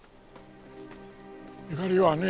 ゆかりはね